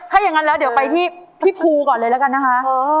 ให้อย่างนั้นแล้วเดี๋ยวไปที่พี่พูก่อนเลยนะคะ